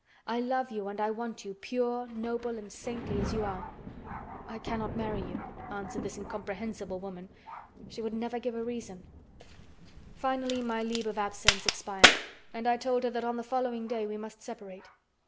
I love you and I want you, pure, noble, and saintly as you are." "I cannot marry you," answered this incomprehensible woman. She would never give a reason. Finally my leave of absence expired, and I told her that on the following day we must separate.